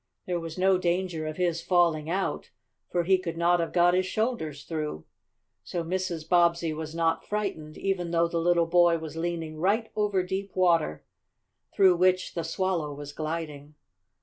There was no danger of his falling out, for he could not have got his shoulders through, so Mrs. Bobbsey was not frightened, even though the little boy was leaning right over deep water, through which the Swallow was gliding.